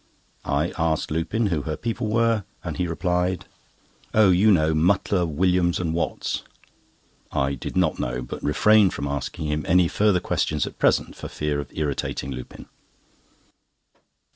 I asked Lupin who her people were, and he replied: "Oh, you know Mutlar, Williams and Watts." I did not know, but refrained from asking any further questions at present, for fear of irritating Lupin.